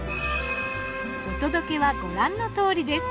お届けはご覧のとおりです。